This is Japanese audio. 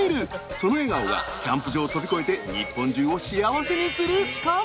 その笑顔がキャンプ場を飛び越えて日本中を幸せにするかも？